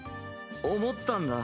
思ったんだ。